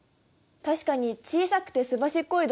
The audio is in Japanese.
確かに小さくてすばしっこい